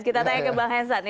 kita tanya ke bang hensat